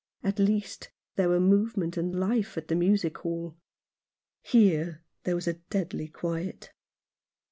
At least there were movement and life at the music hall. Here, there was a deadly quiet.